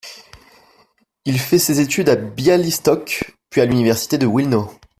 Il fait ses études à Bialystok puis à l'université de Wilno.